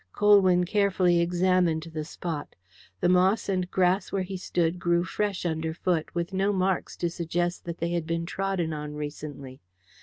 Colwyn carefully examined the spot. The moss and grass where he stood grew fresh underfoot, with no marks to suggest that they had been trodden on recently.